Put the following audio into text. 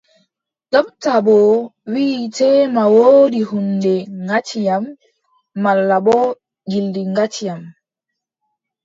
Dopta boo wii teema woodi huunde ŋati yam, malla boo gilɗi gati yam.